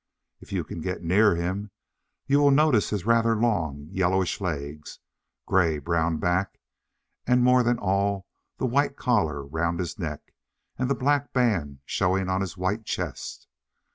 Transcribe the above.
If you can get near him, you will notice his rather long yellowish legs, greyish brown back, and, more than all, the white collar round his neck, and the black band showing on his white chest.